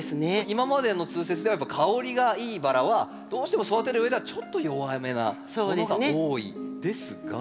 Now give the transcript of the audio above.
今までの通説ではやっぱ香りがいいバラはどうしても育てるうえではちょっと弱めなものが多いですが。